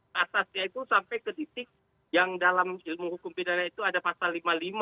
batasnya itu sampai ke titik yang dalam ilmu hukum pidana itu ada pasal lima puluh lima